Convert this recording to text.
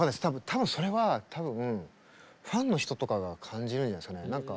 多分それは多分ファンの人とかが感じるんじゃないですかね。